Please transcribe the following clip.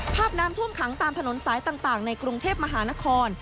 ภาพน้ำท่วมขังตามถนนสายต่างในกรุงเทพมหานคร